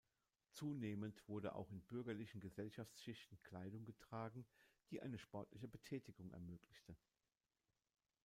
Zunehmend wurde auch in bürgerlichen Gesellschaftsschichten Kleidung getragen, die eine sportliche Betätigung ermöglichte.